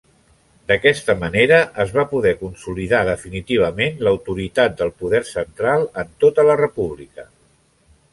D'aquesta manera es va poder consolidar definitivament l'autoritat del poder central en tota la República.